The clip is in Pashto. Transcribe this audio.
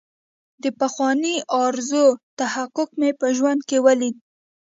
د پخوانۍ ارزو تحقق مې په ژوند کې ولید.